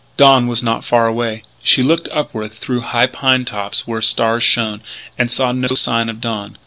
Dawn was not far away. She looked upward through high pine tops where stars shone; and saw no sign of dawn.